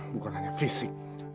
bukan hanya fisik